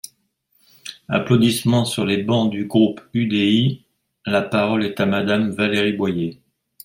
(Applaudissements sur les bancs du groupe UDI.) La parole est à Madame Valérie Boyer.